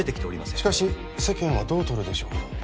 しかし世間はどう取るでしょう？